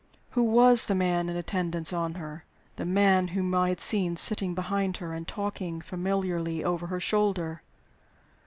Who was the man in attendance on her the man whom I had seen sitting behind her, and talking familiarly over her shoulder?